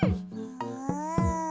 うん。